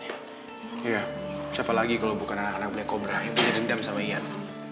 iya siapa lagi kalo bukan anak anak black cobra yang bisa dendam sama ian